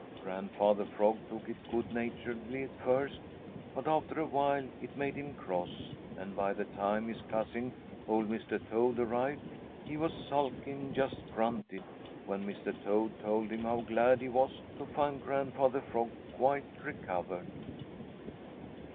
Grandfather Frog took it good naturedly at first, but after a while it made him cross, and by the time his cousin, old Mr. Toad, arrived, he was sulky and just grunted when Mr. Toad told him how glad he was to find Grandfather Frog quite recovered.